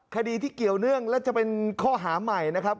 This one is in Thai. คดีที่เกี่ยวเนื่องและจะเป็นข้อหาใหม่นะครับ